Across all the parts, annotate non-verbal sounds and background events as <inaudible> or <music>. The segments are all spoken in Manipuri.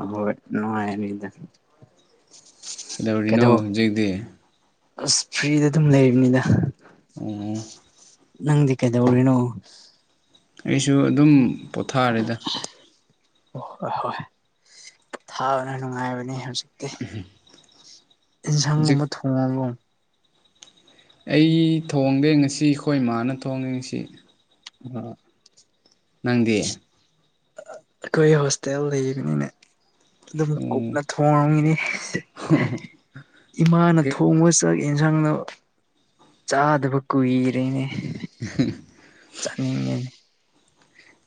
ꯑꯍꯣꯏ ꯅꯨꯡꯉꯥꯏꯔꯤꯗ ꯀꯩꯗꯧꯔꯤꯅꯣ ꯍꯧꯖꯤꯛꯇꯤ ꯑꯁ ꯐ꯭ꯔꯤꯗ ꯑꯗꯨꯝ ꯂꯩꯕꯅꯤꯗ ꯑꯣ ꯅꯪꯗꯤ ꯀꯩꯗꯧꯔꯤꯅꯣ ꯑꯩꯁꯨ ꯑꯗꯨꯝ ꯄꯣꯊꯥꯔꯦꯗ ꯑꯣ ꯍꯣꯏ ꯍꯣꯏ ꯄꯣꯊꯥꯕꯅ ꯅꯨꯡꯉꯥꯏꯕꯅꯤ ꯍꯧꯖꯤꯛꯇꯤ ꯍꯧꯖꯤꯛ ꯏꯟꯁꯥꯡꯒꯨꯝꯕ ꯊꯣꯡꯉꯕꯣ ꯑꯩ ꯊꯣꯡꯗꯦ ꯉꯁꯤ ꯑꯩꯈꯣꯏ ꯏꯃꯥꯅ ꯊꯣꯡꯉꯤ ꯉꯁꯤ ꯑꯥ ꯅꯪꯗꯤ ꯑꯩꯈꯣꯏ ꯍꯣꯁꯇꯦꯜ ꯂꯩꯕꯅꯤꯅꯦ ꯑꯗꯨꯝ ꯀꯨꯛꯅ ꯊꯣꯡꯉꯝꯒꯅꯤ ꯏꯃꯥꯅ ꯊꯣꯡꯕ ꯆꯥꯛ ꯑꯦꯟꯁꯥꯡꯗꯣ ꯆꯥꯗꯕ ꯀꯨꯏꯔꯦꯅꯦ ꯑꯍ <unintelligible> ꯆꯥꯅꯤꯡꯉꯦꯅꯦ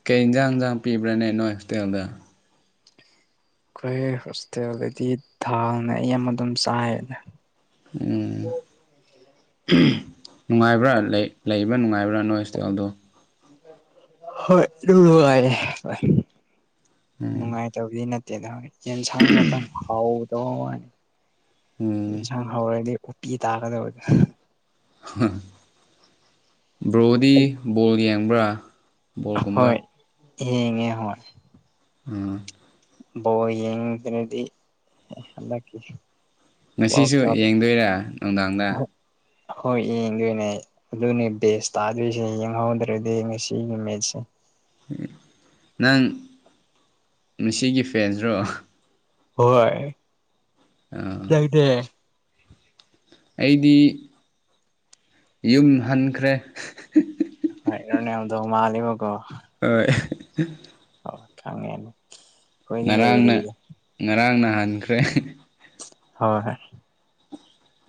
ꯀꯩ ꯏꯟꯖꯥꯡ ꯌꯦꯟꯖꯥꯡ ꯄꯤꯕ꯭ꯔꯥꯅꯦ ꯅꯣꯏ ꯍꯣꯁꯇꯦꯜꯗ ꯑꯩꯈꯣꯏ ꯍꯣꯁꯇꯦꯜꯗꯗꯤ ꯊꯥꯎꯅ ꯑꯩꯌꯥꯝꯕ ꯑꯗꯨꯝ ꯆꯥꯏ ꯎꯝ <unintelligible> ꯅꯨꯡꯉꯥꯏꯕ꯭ꯔꯥ ꯂꯩ ꯂꯩꯕ ꯅꯨꯡꯉꯥꯏꯕ꯭ꯔꯥ ꯅꯣꯏ ꯍꯣꯁꯇꯦꯜꯗꯣ ꯍꯣꯏ ꯑꯗꯨꯝ ꯅꯨꯡꯉꯥꯏꯔꯦ ꯍꯣꯏ ꯎꯝ ꯅꯨꯡꯉꯥꯏꯇꯕꯗꯤ ꯅꯠꯇꯦ ꯀꯗꯧꯅꯩ ꯌꯦꯟꯁꯥꯡ ꯉꯥꯛꯇꯪ ꯍꯥꯎꯒꯗꯕ ꯃꯥꯟꯗꯦ ꯎꯝ ꯏꯟꯁꯥꯡ ꯍꯥꯎꯔꯗꯤ ꯄꯤ ꯇꯥꯒꯗꯕ <unintelligible> <unintelligible> ꯕ꯭ꯔꯣꯗꯤ ꯑꯩ ꯕꯣꯜ ꯌꯦꯡꯕ꯭ꯔꯥ ꯕꯣꯜꯒꯨꯝꯕ ꯍꯣꯏ ꯌꯦꯡꯉꯦ ꯍꯣꯏ ꯎꯝ ꯕꯣꯜ ꯌꯦꯡꯗ꯭ꯔꯗꯤ ꯍꯟꯗꯛꯀꯤ ꯋꯥꯔꯜ ꯉꯁꯤꯁꯨ ꯀꯞ ꯌꯦꯡꯗꯣꯏꯔꯥ ꯅꯨꯡꯗꯥꯡꯗ ꯍꯣꯏ ꯌꯦꯡꯗꯣꯏꯅꯦ ꯑꯗꯨꯅꯦ ꯕꯦꯁ ꯇꯥꯗꯣꯏꯁꯦ ꯌꯦꯡꯍꯧꯗ꯭ꯔꯗꯤ ꯉꯁꯤꯒꯤ ꯃꯦꯠꯁꯦ ꯅꯪ ꯉꯁꯤꯒꯤ ꯐꯦꯟꯁꯔꯣ ꯍꯣꯏ ꯑꯥ ꯅꯪꯗꯤ ꯑꯩꯗꯤ ꯌꯨꯝ ꯍꯟꯈ꯭ꯔꯦ <unintelligible> ꯍꯣꯢ ꯔꯣꯅꯥꯜꯗꯣ ꯃꯟꯂꯦꯕꯀꯣ ꯍꯣꯏ ꯈꯪꯉꯦ ꯉꯔꯥꯡꯅ ꯉꯔꯥꯡ ꯅ ꯍꯟꯈ꯭ꯔꯦ ꯍꯣꯏ ꯍꯣꯢ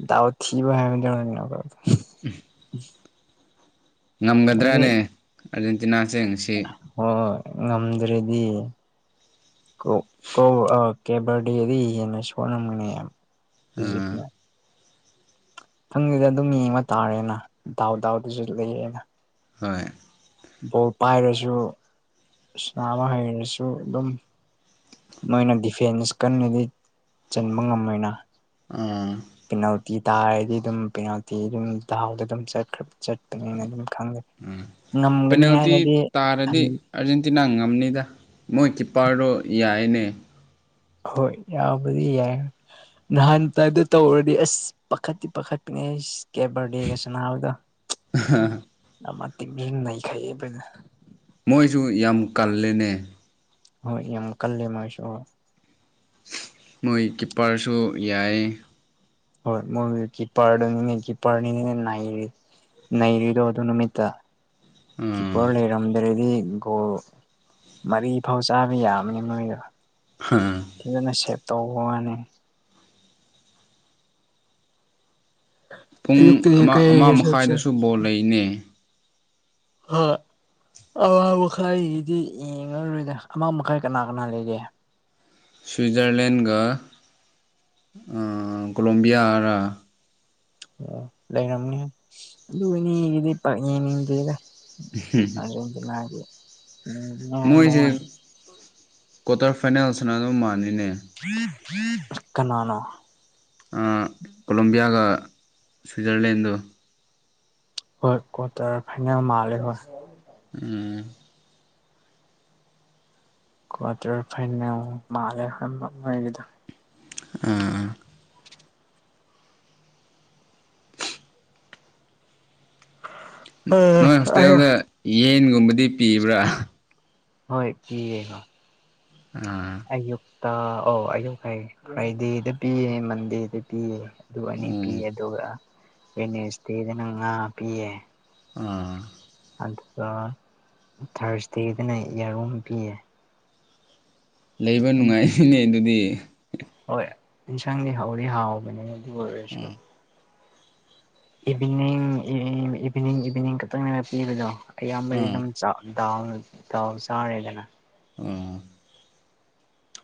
ꯗꯥꯎ ꯊꯤꯕ ꯍꯥꯏꯕꯗꯨ <unintelligible> ꯎꯝ <unintelligible> ꯅꯪꯗꯤ ꯉꯝꯒꯗ꯭ꯔꯅꯦ ꯑꯥꯔꯖꯦꯟꯇꯤꯅꯥ ꯍꯣꯏ ꯉꯝꯗ꯭ꯔꯗꯤ ꯀꯣ ꯀꯧ ꯀꯦꯕꯔꯗꯤ ꯍꯦꯟꯅ ꯁꯣꯟꯂꯝꯒꯅꯦ ꯑꯥ ꯢꯖꯤꯞꯅ ꯈꯪꯗꯦꯗ ꯑꯗꯨꯝ ꯌꯦꯡꯕ ꯇꯥꯔꯦꯅ ꯗꯥꯎ ꯗꯥꯎꯗꯨꯁꯨ ꯂꯩꯌꯦꯅ ꯍꯣꯏ ꯕꯣꯜ ꯄꯥꯏꯔꯁꯨ ꯏꯁꯅꯥ ꯑꯃ ꯍꯩꯔꯁꯨ ꯑꯗꯨꯝ ꯃꯣꯏꯅ ꯗꯤꯐꯦꯟꯁ ꯀꯟꯕꯗꯤ ꯆꯟꯕ ꯉꯝꯃꯣꯏꯅ ꯑꯣ ꯗꯥꯔꯗꯤ ꯑꯗꯨꯝ ꯄꯦꯅꯥꯜꯇꯤ ꯑꯗꯨꯝ ꯗꯥꯎꯗ ꯑꯗꯨꯝꯈ꯭ꯔ ꯆꯠꯄꯅꯦꯅ ꯑꯗꯨꯝ ꯈꯪꯒꯅꯤ ꯄꯦꯅꯥꯜꯇꯤ ꯇꯥꯔꯗꯤ ꯑꯥꯔꯖꯦꯟꯇꯤꯅꯥ ꯉꯝꯅꯤꯗ ꯃꯣꯏ ꯀꯤꯞꯄꯥꯔꯗꯣ ꯌꯥꯏꯅꯦ ꯍꯣꯏ ꯌꯥꯕꯗꯤ ꯌꯥꯏ ꯅꯍꯥꯟꯗꯥ ꯇꯥꯢꯞꯇ ꯇꯧꯔꯗꯤ ꯑꯁ ꯄꯥꯈꯠꯇꯤ ꯄꯥꯈꯠꯀꯅꯤ ꯢꯁ ꯀꯦꯕꯔꯗꯦꯒ ꯁꯅꯥꯅꯕꯗꯣ ꯁꯨꯝ ꯂꯩꯈꯩ ꯑꯕꯣꯏꯅ ꯃꯣꯏꯁꯨ ꯌꯥꯝ ꯀꯜꯂꯦꯅꯦ ꯍꯣꯏ ꯌꯝ ꯀꯜꯂꯦ ꯃꯣꯢꯁꯨ ꯃꯣꯏ ꯀꯤꯞꯄꯔꯁꯨ ꯌꯥꯏ ꯍꯣꯏ ꯃꯣꯢ ꯀꯤꯄꯔꯗꯨꯅꯤꯅꯦ ꯀꯤꯄꯔꯅꯤꯅꯦ ꯅꯩꯔꯤꯗꯣ ꯅꯩꯔꯤꯗꯣ ꯑꯗꯨ ꯅꯨꯃꯤꯠꯇ ꯀꯤꯄꯔ ꯑꯥ ꯂꯩꯔꯝꯗ꯭ꯔꯗꯤ ꯒꯣꯜ ꯃꯔꯤ ꯐꯥꯎ ꯆꯥꯕ ꯌꯥꯕꯅꯦ ꯃꯣꯢꯗꯣ ꯍꯥ ꯐꯖꯅ ꯁꯦꯞ ꯇꯧꯕ ꯋꯥꯅꯦ ꯄꯨꯡ ꯑꯌꯨꯛꯇꯗꯤ ꯑꯃ ꯀꯩ ꯑꯃ ꯁꯦꯞꯁꯦ ꯃꯈꯥꯏꯗꯁꯨ ꯕꯣꯜ ꯂꯩꯅꯦ ꯍꯣꯢ ꯑꯥꯡ ꯃꯈꯥꯏꯒꯤꯗꯤ ꯌꯦꯡꯉꯔꯣꯏꯗ ꯑꯃꯥ ꯃꯈꯥꯏ ꯀꯅꯥ ꯀꯅꯥ ꯂꯩꯒꯦ ꯁ꯭ꯋꯤꯠꯖꯔꯂꯦꯟꯒ ꯑꯥ ꯀꯣꯂꯣꯕꯤꯌꯥꯔ ꯑꯣ ꯂꯩꯔꯝꯅꯦ ꯑꯗꯨꯅꯤꯗꯤ ꯄꯥꯛ ꯌꯦꯡꯅꯤꯡꯗꯦꯗ ꯑꯔꯖꯦꯟꯇꯤꯅꯒꯤ ꯎꯝ ꯃꯣꯏ ꯃꯣꯢ ꯀꯣꯇꯥꯔ ꯐꯥꯏꯅꯥꯜ ꯁꯟꯅꯗꯧ ꯃꯥꯟꯅꯦ ꯀꯅꯥꯅꯣ ꯑꯥ ꯀꯣꯂꯣꯕꯤꯌꯥꯒ ꯁ꯭ꯋꯤꯖꯔꯂꯦꯟꯗꯣ ꯍꯣꯏ ꯀꯣꯇꯔ ꯐꯥꯏꯅꯦꯜ ꯃꯥꯜꯂꯦ ꯍꯣꯏ ꯎꯝ ꯀ꯭ꯋꯥꯔꯇꯔ ꯐꯥꯏꯅꯦꯜ ꯃꯥꯂꯦ ꯈꯟꯕ ꯃꯣꯏꯒꯤꯗꯣ ꯎꯝ ꯅꯣꯏ ꯍꯣꯁꯇꯦꯜꯗꯤ ꯌꯦꯟꯒꯨꯝꯕꯗꯤ ꯄꯤꯕ꯭ꯔꯥ ꯍꯣꯏ ꯄꯤꯌꯦ ꯑꯥ ꯑꯣ ꯑꯩꯌꯨꯛ ꯐꯩ ꯐ꯭ꯔꯥꯏꯗꯦꯗ ꯄꯤꯌꯦ ꯃꯟꯗꯦꯗ ꯄꯤꯌꯦ ꯑꯗꯨ ꯑꯅꯤ ꯄꯤꯌꯦ ꯎꯝ ꯑꯗꯨꯒ ꯋꯥꯏꯅꯁꯗꯦꯗꯅ ꯉꯥ ꯄꯤꯌꯦ ꯑꯥ ꯑꯗꯨꯒ ꯊꯥꯔꯁꯗꯦꯗꯅ ꯌꯥꯔꯨꯝ ꯄꯤꯌꯦ ꯂꯩꯕ ꯅꯨꯡꯉꯥꯏꯅꯦ ꯑꯗꯨꯗꯤ ꯍꯣꯏ ꯏꯟꯁꯥꯡꯗꯤ ꯍꯥꯎꯗꯤ ꯍꯥꯎꯕꯅꯦ ꯑꯗꯨ ꯑꯣꯏꯔꯁꯨ ꯑꯥ ꯏꯚꯤꯅꯤꯡ ꯏꯚꯤꯅꯤꯡ ꯏꯚꯤꯅꯤꯡ ꯈꯛꯇꯪꯅꯦꯅ ꯄꯤꯕꯗꯣ ꯑꯌꯥꯝꯕꯗꯤ ꯑꯥ ꯑꯗꯨꯝ ꯆꯥꯛ ꯗꯥꯜ ꯗꯥꯜ ꯆꯥꯔꯦꯗꯅ ꯑꯣ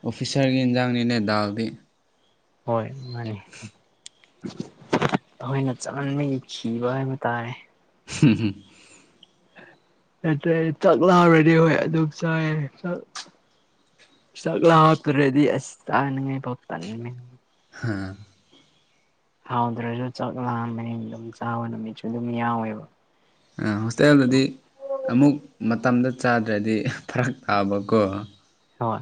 ꯑꯣꯐꯤꯁꯥꯔꯒꯤ ꯏꯟꯖꯥꯡꯅꯤꯅꯦ ꯗꯥꯜꯗꯤ ꯍꯣꯏ ꯃꯥꯅꯤ ꯑꯩꯈꯣꯏꯅ ꯆꯃꯟꯕꯒꯤ ꯈꯤꯕ ꯍꯥꯏꯕ ꯇꯥꯔꯦ <unintelligible> ꯅꯠꯇ꯭ꯔꯦ ꯑꯩꯆꯥꯛ ꯂꯥꯝꯔꯦꯅꯦ ꯍꯣꯏ ꯑꯗꯨꯝ ꯆꯥꯏ ꯆꯥꯛ ꯂꯥꯃꯛꯇ꯭ꯔꯗꯤ ꯑꯁ <inaudible> <unintelligible> ꯍꯥꯎꯗ꯭ꯔꯁꯨ ꯆꯥꯛ ꯂꯥꯝꯕꯅꯤ ꯑꯗꯨꯝ ꯆꯥꯕ ꯅꯨꯃꯤꯠꯁꯨ ꯑꯗꯨꯝ ꯌꯥꯎꯋꯦꯕ ꯑ ꯍꯣꯁꯇꯦꯜꯗꯗꯤ ꯑꯃꯨꯛ ꯃꯠ ꯇꯝꯗ ꯆꯥꯗ꯭ꯔꯗꯤ ꯐ꯭ꯔꯛ ꯇꯥꯕꯀꯣ ꯍꯣꯏ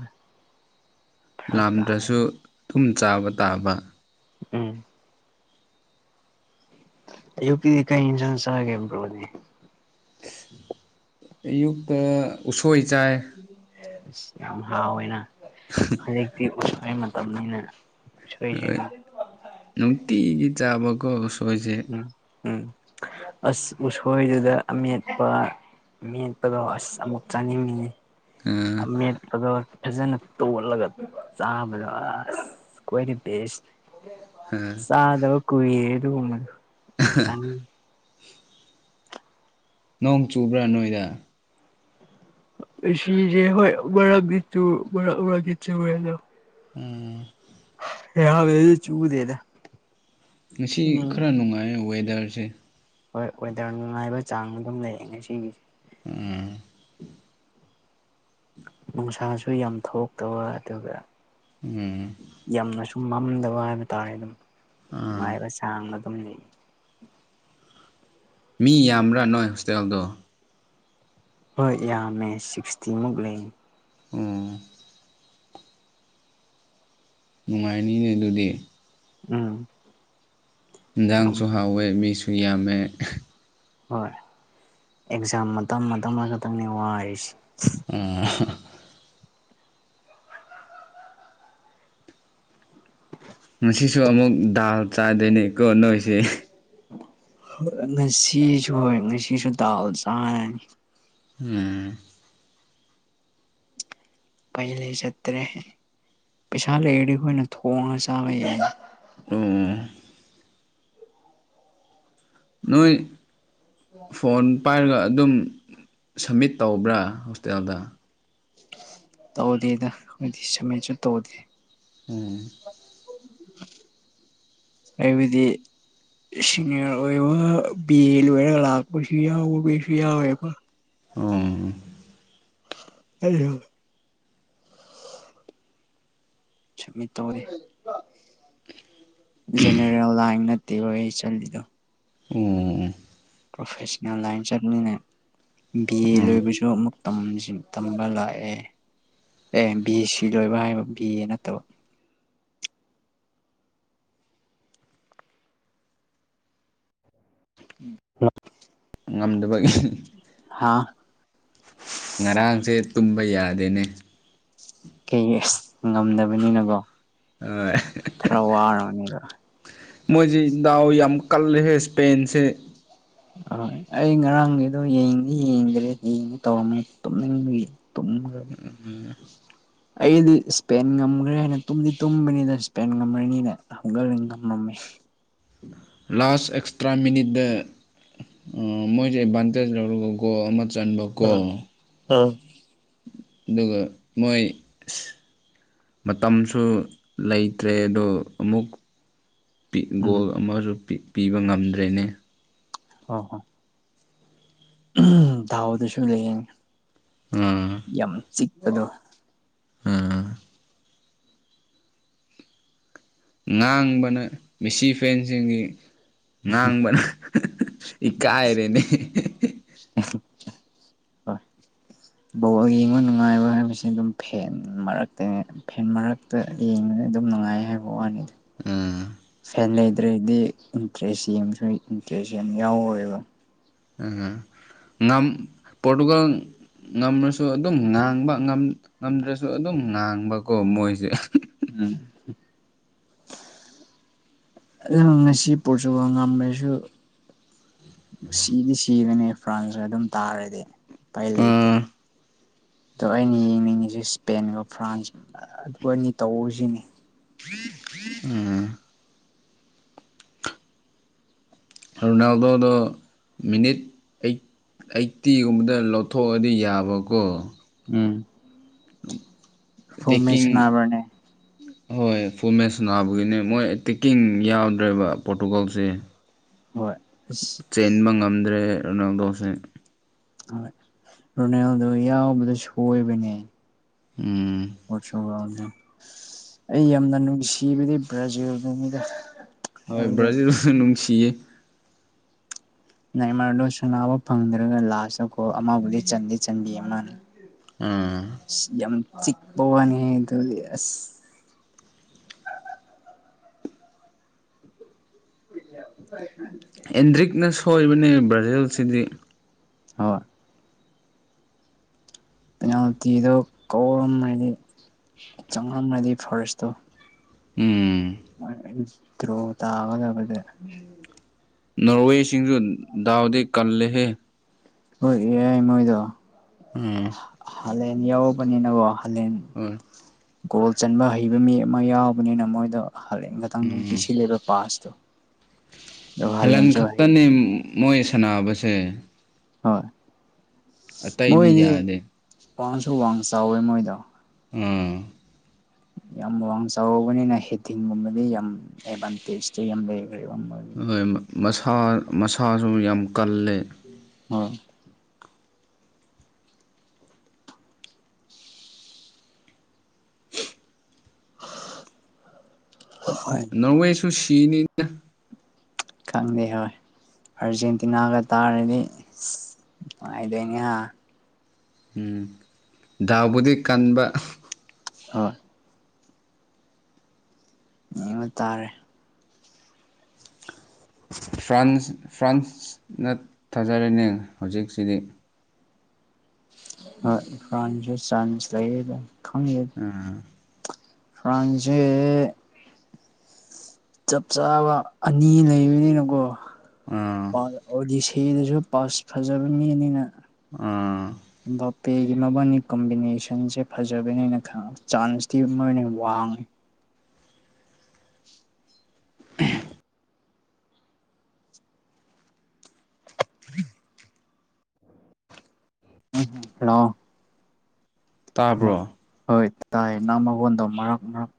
ꯐꯔꯛ ꯂꯥꯝꯗ꯭ꯔꯁꯨ ꯇꯥꯕꯅꯦ ꯑꯗꯨꯨꯝ ꯆꯥꯕ ꯇꯥꯕ ꯎꯝ ꯑꯌꯨꯛꯀꯤꯗꯤ ꯀꯩ ꯏꯟꯁꯥꯡ ꯆꯥꯒꯦ ꯕ꯭ꯔꯣꯗꯤ ꯑꯌꯨꯛ ꯇ ꯎꯁꯣꯏ ꯆꯥꯏ ꯑꯁ ꯌꯥꯝ ꯍꯥꯎꯋꯦꯅ ꯍꯧꯖꯤꯛꯇꯤ ꯎꯁꯣꯏ ꯃꯇꯝꯅꯤꯅ ꯍꯣꯏ ꯎꯁꯣꯏꯁꯤꯒ ꯅꯨꯡꯇꯤꯒꯤ ꯆꯥꯕꯀꯣ ꯎꯁꯣꯏꯁꯦ ꯎꯝ ꯎꯝ ꯑꯁ ꯎꯁꯣꯏꯗꯨꯗ ꯑꯃꯦꯠꯄ ꯃꯦꯠꯄꯗꯣ ꯑꯁ ꯑꯃꯨꯛ ꯆꯥꯅꯤꯡꯉꯤ ꯑꯥ ꯑꯃꯦꯠꯄꯗꯣ ꯐꯖꯅ ꯇꯣꯠꯂꯒ ꯆꯥꯕꯗꯣ ꯑꯁ ꯈ꯭ꯋꯥꯏꯗꯩ ꯕꯦꯁ ꯍꯥ ꯆꯗꯕ ꯀꯨꯏꯔꯦ ꯑꯗꯨꯒꯨꯝꯕꯗꯣ ꯅꯣꯡ ꯆꯨꯕ꯭ꯔꯥ ꯅꯣꯏꯗ <inaudible> ꯍꯣꯢ ꯃꯔꯛꯗꯤ ꯆꯨ ꯃꯔꯛ ꯑꯃꯗꯤ ꯆꯨꯔꯦ ꯗꯛ ꯎꯝ <unintelligible> ꯆꯨꯗꯦꯗ ꯉꯁꯤ ꯑꯗꯨꯝ ꯈꯔ ꯅꯨꯡꯉꯥꯏ ꯋꯦꯗꯔꯁꯦ ꯍꯣꯏ ꯋꯦꯗꯔ ꯅꯨꯡꯉꯥꯏꯕ ꯆꯥꯡ ꯑꯗꯨꯝ ꯂꯩꯌꯦ ꯉꯁꯤꯒꯤ ꯎꯝ ꯅꯨꯡꯁꯥꯁꯨ ꯌꯥꯝ ꯊꯣꯛꯇꯕ ꯑꯗꯨꯒ ꯎꯝ ꯌꯥꯝꯅꯁꯨ ꯃꯝꯗꯕ ꯍꯥꯏꯕ ꯇꯥꯔꯦ ꯑꯗꯨꯝ ꯑꯥ ꯅꯨꯡꯉꯥꯏꯕ ꯆꯥꯡꯅ ꯑꯗꯨꯝ ꯂꯩ ꯃꯤ ꯌꯥꯝꯕ꯭ꯔꯥ ꯅꯣꯏ ꯍꯣꯁꯇꯦꯜꯗꯣ ꯍꯣꯏ ꯌꯥꯝꯃꯦ ꯁꯤꯛꯁꯇꯤꯃꯨꯛ ꯂꯩ ꯎꯝ ꯅꯨꯡꯉꯥꯏꯅꯤꯅꯦ ꯑꯗꯨꯗꯤ ꯎꯝ ꯌꯥꯝ ꯏꯟꯖꯥꯡꯁꯨ ꯍꯥꯎꯋꯦ ꯃꯤꯁꯨ ꯌꯥꯝꯃꯦ ꯍꯣꯏ ꯑꯦꯛꯖꯥꯝ ꯃꯇꯝ ꯃꯇꯝ ꯑꯃꯈꯛꯇꯪꯅꯤ ꯋꯥꯔꯤꯁꯤ ꯎꯝ ꯉꯁꯤꯁꯨ ꯑꯃꯨꯛ ꯗꯥꯜ ꯆꯥꯗꯣꯏꯅꯦꯀꯣ ꯅꯣꯏꯁꯦ ꯉꯁꯤꯁꯨ ꯍꯣꯏ ꯉꯁꯤꯁꯨ ꯗꯥꯜ ꯆꯥꯔꯅꯤ ꯎꯝ ꯄꯩꯂꯩ ꯆꯠꯇ꯭ꯔꯦ ꯄꯩꯁꯥ ꯂꯩꯔꯗꯤ ꯑꯩꯈꯣꯏꯅ ꯊꯣꯡꯉꯒ ꯆꯥꯕ ꯌꯥꯢ <unintelligible> ꯅꯣꯏ ꯐꯣꯟ ꯄꯥꯏꯔꯒ ꯑꯗꯨꯝ ꯁꯝꯃꯤꯠ ꯇꯧꯕ꯭ꯔꯥ ꯍꯣꯁꯇꯦꯜꯗ ꯇꯧꯗꯦꯗ ꯑꯩꯗꯤ ꯁꯝꯃꯤꯠꯁꯨ ꯇꯧꯗꯦ ꯎꯝ ꯑꯩꯕꯗꯤ ꯁꯤꯅꯤꯌꯔ ꯑꯣꯏꯕ ꯕꯤ ꯑꯦ ꯂꯣꯏꯔꯒ ꯂꯥꯛꯄꯁꯨ ꯌꯥꯎꯁꯨ ꯌꯥꯎꯋꯦꯕ ꯎꯝ <unintelligible> ꯁꯨꯝꯃꯤꯠ ꯇꯧꯗꯦ ꯖꯦꯅꯔꯦꯜ ꯂꯥꯟ ꯅꯠ ꯅꯠꯇꯦꯕ ꯑꯩ ꯆꯜꯂꯤꯗꯣ ꯑꯣ ꯑꯣ ꯄ꯭ꯔꯣꯐꯦꯁꯟꯅꯦꯜ ꯂꯥꯏꯟ ꯆꯠꯃꯤꯅꯩ ꯕꯤ ꯑꯦ ꯑꯣ ꯂꯣꯏꯕꯁꯨ ꯑꯃꯨꯛ ꯇꯝꯕ ꯂꯥꯛꯑꯦ ꯕꯤ ꯑꯦ ꯁꯤ ꯂꯣꯏꯕ ꯍꯥꯏꯕ ꯕꯤ ꯑꯦ ꯅꯠꯇꯕ <unintelligible> ꯉꯝꯗꯕꯒꯤ ꯍꯥ ꯉꯔꯥꯡꯁꯦ ꯇꯨꯝꯕ ꯌꯥꯗꯦꯅꯦ ꯀꯩꯒꯤ ꯉꯝꯗꯕꯅꯤꯅꯀꯣ ꯈꯔ ꯋꯥꯔꯕꯅꯦꯕ ꯃꯣꯏꯁꯤ ꯗꯥꯎ ꯌꯥꯝ ꯀꯜꯂꯦꯍꯦ ꯏꯁꯄꯦꯟꯁꯦ ꯍꯣꯏ ꯑꯩ ꯉꯔꯥꯡꯒꯤꯗꯣ ꯌꯦꯡꯗꯤ ꯌꯦꯡꯗ꯭ꯔꯤ ꯌꯦꯡꯒꯦ ꯇꯧꯔꯝꯃꯤ ꯇꯨꯝꯅꯤꯡꯕꯒꯤ ꯇꯨꯝꯃꯒ ꯑꯩꯗꯤ ꯏꯁꯄꯦꯟ ꯉꯝꯈ꯭ꯔꯦ ꯍꯥꯏꯅ ꯇꯨꯝꯗꯤ ꯇꯨꯝꯕꯅꯤꯅ ꯏꯁꯄꯦꯟ ꯉꯝ꯭ꯔꯅꯤꯅ ꯍꯧꯒꯠꯂꯗꯤ ꯉꯝꯃꯝꯃꯦ ꯂꯥꯁ ꯑꯦꯛꯁꯇ꯭ꯔꯥ ꯃꯤꯅꯤꯠꯗ ꯑ ꯃꯣꯏꯖꯦ ꯑꯦꯗꯚꯥꯟꯇꯦꯖ ꯂꯧꯔꯒ ꯒꯣꯜ ꯑꯃ ꯆꯟꯕ ꯀꯣ ꯑ ꯑꯗꯨꯒ ꯃꯣꯏ ꯑꯁ ꯃꯇꯝꯁꯨ ꯂꯩꯇ꯭ꯔꯦ ꯑꯗꯣ ꯑꯃꯨꯛ ꯄꯤ ꯎꯝ ꯒꯣꯜ ꯑꯃꯁꯨ ꯄꯤ ꯄꯤꯕ ꯉꯝꯗ꯭ꯔꯦꯅꯦ ꯍꯣꯢ ꯍꯣꯏ ꯗꯥꯎꯗꯁꯨ ꯂꯩꯌꯦꯅꯦ ꯎꯝ ꯆꯤꯛꯄꯗꯣ ꯎꯝ ꯉꯥꯡꯕꯅ ꯃꯦꯁꯤ ꯐꯦꯟꯁꯤꯡꯒꯤ ꯉꯥꯡꯕꯅ ꯏꯀꯥꯏꯔꯦꯅꯦ ꯍꯣꯏ ꯕꯣꯜ ꯌꯦꯡꯕ ꯅꯨꯡꯉꯥꯏꯕ ꯍꯥꯏꯕꯁꯤ ꯑꯗꯨꯝ ꯐꯦꯟ ꯃꯔꯛꯇꯩꯅꯦ ꯐꯦꯟ ꯃꯔꯛꯇ ꯌꯦꯡꯕꯅ ꯑꯗꯨꯝ ꯅꯨꯡꯉꯥꯏꯌꯦ ꯍꯥꯏꯕ ꯋꯥꯅꯤ ꯑꯥ ꯐꯦꯟ ꯂꯩꯗ꯭ꯔꯗꯤ ꯏꯟꯇꯔꯦꯁ ꯌꯦꯡꯁꯨ ꯏꯟꯇꯔꯦꯁ ꯌꯥꯝ ꯌꯥꯎꯔꯣꯢꯕ ꯎꯃ ꯉꯝ ꯄꯣꯔꯇꯨꯒꯜ ꯉꯝꯔꯁꯨ ꯑꯗꯨꯝ ꯉꯥꯡꯕ ꯉꯝꯗ꯭ꯔꯁꯨ ꯑꯗꯨꯝ ꯉꯥꯡꯕꯀꯣ ꯃꯣꯏꯁꯦ ꯎꯝ ꯑꯗꯨ ꯉꯁꯤ ꯄꯣꯔꯆꯨꯒꯜ ꯉꯝꯃꯁꯨ ꯃꯦꯁꯤꯗꯤ ꯁꯤꯔꯅꯦꯕ ꯐ꯭ꯔꯥꯟꯁꯅ ꯑꯗꯨꯝ ꯇꯥꯔꯗꯤ ꯎꯄꯥꯏ ꯂꯩꯇꯦ ꯎꯝ ꯑꯗꯣ ꯑꯩꯅ ꯌꯦꯡꯅꯤꯡꯉꯤꯁꯤ ꯁ꯭ꯄꯦꯟꯒ ꯐ꯭ꯔꯥꯟꯁ ꯑ ꯑꯗꯨ ꯑꯅꯤ ꯇꯧꯕꯁꯤꯅꯤ ꯎꯝ ꯔꯣꯅꯥꯜꯗꯣꯗꯣ ꯃꯤꯅꯤꯠ ꯑꯩꯟ ꯑꯩꯇꯤꯒꯨꯝꯕꯗ ꯂꯧꯊꯣꯛꯑꯒꯗꯤ ꯌꯥꯕꯀꯣ ꯎꯝ <unintelligible> ꯐꯣꯃꯦ ꯇꯦꯛꯀꯤꯡ ꯁꯅꯥꯕ꯭ꯔꯅꯦ ꯍꯣꯏ ꯐꯣꯃꯦꯁ ꯁꯅꯥꯕꯒꯤꯅꯦ ꯃꯣꯏ ꯇꯦꯛꯀꯤꯡ ꯌꯥꯎꯗ꯭ꯔꯦꯕ ꯄꯣꯔꯇꯨꯒꯜꯁꯦ ꯍꯣꯏ ꯑꯁ ꯆꯦꯟꯕ ꯉꯝꯗ꯭ꯔꯦ ꯔꯣꯅꯥꯜꯗꯣꯁꯦ ꯍꯣꯏ ꯔꯣꯅꯥꯜꯗꯣ ꯌꯥꯎꯕꯗ ꯁꯣꯏꯕꯅꯦ ꯎꯝ ꯑꯩ ꯌꯥꯝꯅ ꯅꯨꯡꯁꯤꯕꯗꯤ ꯕ꯭ꯔꯥꯖꯤꯜꯗꯨꯅꯤꯗ ꯍꯣꯏ ꯍꯥꯏꯕꯗꯤ ꯕ꯭ꯔꯥꯖꯤꯜꯁꯨ ꯅꯨꯡꯁꯤꯌꯦ ꯅꯦꯃꯥꯔꯗꯣ ꯁꯅꯥꯕ ꯐꯪꯗ꯭ꯔꯒ ꯂꯥꯁꯇꯀꯣ ꯑꯃꯕꯨꯗꯤ ꯆꯟꯗꯤ ꯆꯟꯕꯤ ꯃꯥꯅ ꯑꯥ ꯌꯥꯝ ꯆꯤꯛꯄꯋꯥꯅꯤ ꯑꯗꯨꯗꯤ ꯑꯁ <inaudible> ꯑꯦꯟꯗ꯭ꯔꯤꯛꯅ ꯁꯣꯏꯕꯅꯦ ꯕ꯭ꯔꯥꯖꯤꯜꯁꯤꯗꯤ ꯍꯣꯏ ꯄꯦꯅꯥꯜꯇꯤꯗꯣ ꯀꯥꯎꯔꯝꯃꯗꯤ ꯆꯪꯉꯝꯃꯗꯤ ꯐꯥꯔꯁꯇꯣ ꯎꯝ <unintelligible> ꯅꯣꯔꯋꯦꯁꯤꯡꯁꯨ ꯗꯥꯎꯗꯤ ꯀꯜꯂꯦꯍꯦ ꯍꯣꯏ ꯑꯦ ꯃꯣꯏꯗꯣ ꯎꯝ ꯍꯥꯂꯦꯟ ꯌꯥꯎꯕꯅꯤꯅꯀꯣ ꯍꯥꯂꯦꯟ ꯍꯣꯏ ꯒꯣꯜ ꯆꯟꯕ ꯍꯩꯕ ꯃꯤ ꯑꯃ ꯌꯥꯎꯕꯅꯤꯅ ꯃꯣꯏꯗꯣ ꯍꯂꯦꯟ ꯈꯛꯇꯪ ꯑꯗꯨꯝ ꯎꯝ ꯄꯤꯁꯤꯜꯂꯦꯕ ꯄꯥꯁ ꯥꯆꯧ ꯍꯂꯦꯟ ꯈꯛꯇꯅꯤ ꯃꯣꯏ ꯁꯥꯟꯅꯕꯁꯦ ꯍꯣꯏ ꯑꯇꯩꯗꯤ ꯃꯣꯏꯗꯤ ꯌꯥꯗꯦ ꯋꯥꯡꯁꯨ ꯋꯥꯡ ꯆꯥꯎꯋꯦ ꯃꯣꯏꯗꯣ ꯎꯝ ꯌꯥꯝ ꯋꯥꯡ ꯆꯥꯎꯕꯅꯤꯅ ꯍꯦꯇꯤꯡꯒꯨꯝꯕꯗꯤ ꯌꯥꯝ ꯑꯦꯗꯚꯥꯟꯇꯦꯖꯇꯤ ꯌꯥꯝ ꯂꯩ ꯍꯣꯏ ꯃꯁꯥ ꯃꯁꯥꯁꯨ ꯌꯥꯝ ꯀꯜꯂꯦ ꯑꯥ ꯍꯥ ꯍꯥ ꯅꯣꯔꯋꯦꯁꯨ ꯁꯤꯅꯤꯗ ꯈꯪꯗꯦ ꯍꯣꯏ ꯑꯥꯔꯖꯦꯟꯇꯤꯅꯥꯒ ꯇꯥꯔꯗꯤ ꯅꯨꯉꯥꯏꯗꯣꯏꯅꯦ ꯍꯥ ꯎꯝ ꯗꯥꯎꯕꯨꯗꯤ ꯀꯟꯕ ꯍꯣꯏ ꯌꯦꯡꯕ ꯇꯥꯔꯦ ꯐ꯭ꯔꯥꯟꯁ ꯐ꯭ꯔꯥꯟꯁꯅ ꯊꯥꯖꯔꯤꯅꯦ ꯍꯧꯖꯤꯛꯁꯤꯗꯤ ꯍꯣꯏ ꯐ꯭ꯔꯥꯟꯁꯁꯨ ꯆꯥꯟꯁ ꯂꯩꯌꯦ ꯑꯗꯨꯝ ꯎꯝ ꯐ꯭ꯔꯥꯟꯁꯖꯦ ꯆꯞ ꯆꯥꯕ ꯑꯅꯤ ꯂꯩꯕꯅꯤꯅꯀꯣ ꯑꯥ ꯄꯥ ꯑꯣꯗꯤꯁ ꯏꯗꯨꯁꯨ ꯄꯥꯁ ꯐꯖꯕ ꯃꯤꯅꯤꯅ ꯎꯝ ꯄꯦꯒꯤ ꯃꯕꯟꯅꯤꯒꯤ ꯀꯣꯝꯕꯤꯅꯦꯁꯟꯁꯦ ꯐꯖꯕꯅꯦꯅ ꯈꯪꯉꯦ ꯆꯥꯟꯁꯇꯤ ꯃꯣꯏꯅ ꯋꯥꯡꯉꯦ <inaudible> <inaudible> ꯍ꯭ꯂꯣ ꯇꯥꯕ꯭ꯔꯣ ꯍꯣꯏ ꯇꯥꯏ ꯅꯪ ꯃꯈꯣꯟꯗꯣ ꯃꯔꯛ ꯃꯔꯛ